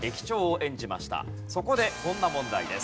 そこでこんな問題です。